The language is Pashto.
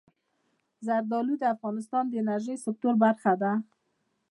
زردالو د افغانستان د انرژۍ سکتور برخه ده.